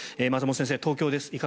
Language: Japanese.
松本先生、東京です。